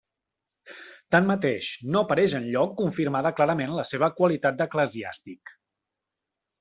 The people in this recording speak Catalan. Tanmateix, no apareix enlloc confirmada clarament la seva qualitat d'eclesiàstic.